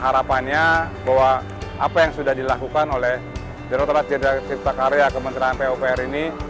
dan apa yang sudah dilakukan oleh direkturat jenderal cinta karya kementerian pupr ini